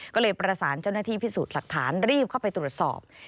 ก็เลยประสานเจ้าหน้าที่พิสูจน์หลักฐานรีบเข้าไปตรวจสอบ